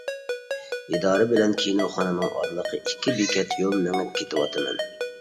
ئىدارە بىلەن كىنوخانىنىڭ ئارىلىقى ئىككى بېكەت يول، مېڭىپ كېتىۋاتىمەن.